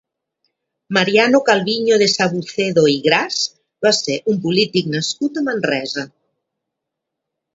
Mariano Calviño de Sabucedo i Gras va ser un polític nascut a Manresa.